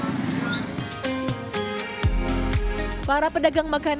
coba makan di jalan kebonkacang